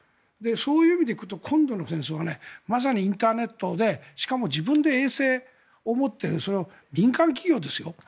そういう意味で行くと今度の戦闘はまさにインターネットでしかも自分で衛星を持っているそれは民間企業ですよ。